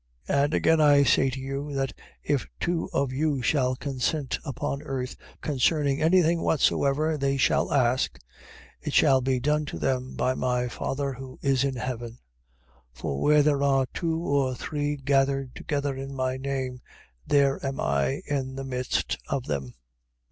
18:19. Again I say to you, that if two of you shall consent upon earth, concerning anything whatsoever they shall ask, it shall be done to them by my Father who is in heaven. 18:20. For where there are two or three gathered together in my name, there am I in the midst of them.